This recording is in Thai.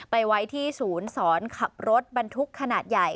ไปไว้ที่ศูนย์สอนขับรถบรรทุกขนาดใหญ่